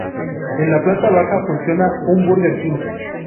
En la planta baja funciona un Burger King.